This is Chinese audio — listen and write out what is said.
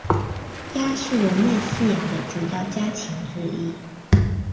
鸭是人类饲养的主要家禽之一。